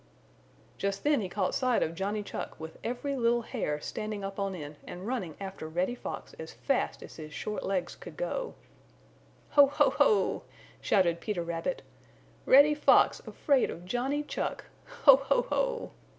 Just then he caught sight of Johnny Chuck with every little hair standing up on end and running after Reddy Fox as fast as his short legs could go. "Ho! ho! ho!" shouted Peter Rabbit. "Reddy Fox afraid of Johnny Chuck! Ho! ho! Ho!"